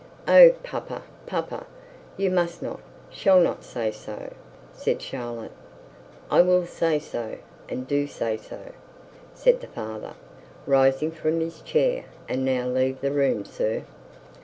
'Oh, papa, papa! You must not, shall not say so,' said Charlotte. 'I will say so, and do say so,' said the father, rising from his chair. 'And now leave the room, sir.'